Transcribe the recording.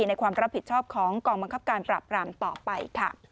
ในความรับผิดชอบของกองบังคับการปราบรามต่อไปค่ะ